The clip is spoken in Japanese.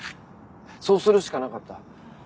そうするしかなかった。